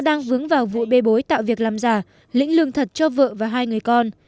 đang vướng vào vụ bê bối tạo việc làm giả lĩnh lương thật cho vợ và hai người con